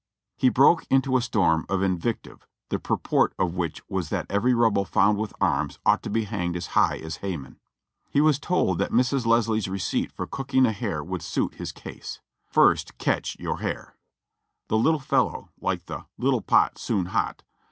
He broke into a storm of invective, the purport of which was that every Rebel found with arms ought to be hanged as high as Haman. He was told that Mrs. Leslie's receipt for cooking a hare would suit his case — "First catch your hare." The little fellow, like the "little pot — soon hot."